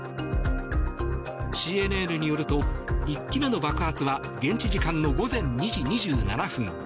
ＣＮＮによると、１機目の爆発は現地時間の午前２時２７分。